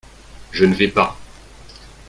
Je ne vais pas.